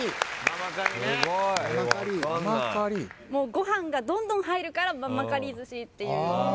ご飯がどんどん入るからままかり寿司っていう。